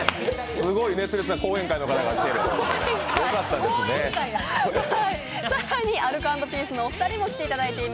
すごい熱烈な講演会の方が来てる。